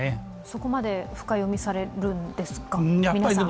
そこまで深読みされるんですか、皆さん。